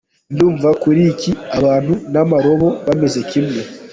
Ndumva kuri iki abantu n’amarobo bameze kimwe.”